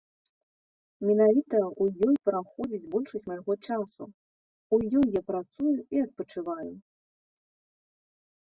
Менавіта ў ёй праходзіць большасць майго часу, у ёй я працую і адпачываю.